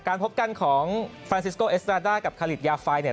การพบกันของฟรานซิสโกเอสตราด้ากับคลิตยาไฟ